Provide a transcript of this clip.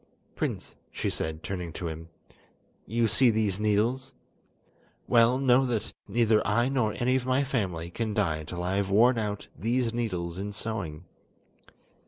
"Prince," she said, turning to him, "you see these needles? Well, know that neither I nor any of my family can die till I have worn out these needles in sewing.